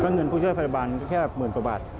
เงินผู้ช่วยพยาบาลแค่หมื่นกว่าบาท